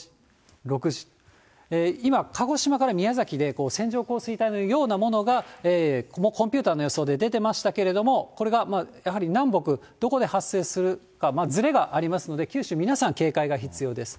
今、鹿児島から宮崎で、線状降水帯のようなものがこのコンピューターの予想で出てましたけれども、これがやはり南北、どこで発生するか、ずれがありますので、九州、皆さん、警戒が必要です。